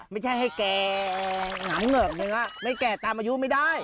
ไม่ใช่ให้แก่หงาเหงือกนึงไม่แก่ตามอายุไม่ได้